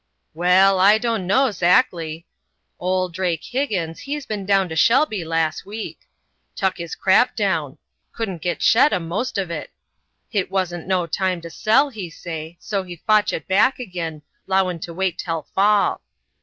"Well, I dunno, skasely. Ole Drake Higgins he's ben down to Shelby las' week. Tuck his crap down; couldn't git shet o' the most uv it; hit wasn't no time for to sell, he say, so he 'fotch it back agin, 'lowin' to wait tell fall.